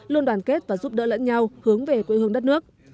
luôn đoàn kết và giúp đỡ lẫn nhau hướng về quy hướng đất nước